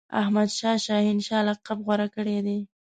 احمدشاه شاه هنشاه لقب غوره کړی دی.